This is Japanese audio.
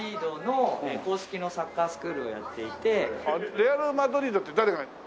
レアル・マドリードって誰が。